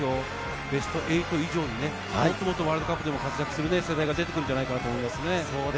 ベスト８以上に、もっとワールドカップでも活躍する世代が出てくるんじゃないかなと思います。